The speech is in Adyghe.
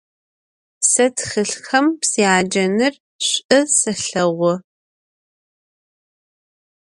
Se txılhxem syacenır ş'u selheğu.